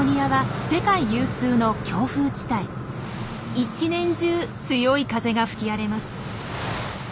一年中強い風が吹き荒れます。